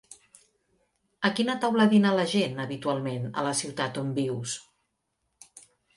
A quina taula dina la gent habitualment a la ciutat on vius?